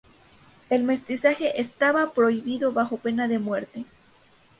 El mestizaje estaba prohibido bajo pena de muerte.